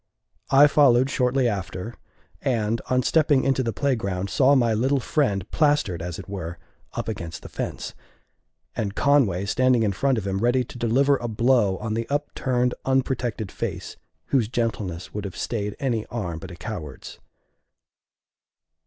I followed shortly after, and, on stepping into the playground, saw my little friend plastered, as it were, up against the fence, and Conway standing in front of him ready to deliver a blow on the upturned, unprotected face, whose gentleness would have stayed any arm but a coward's.